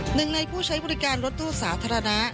หนึ่งในผู้ใช้บริการรถตู้สาธารณะ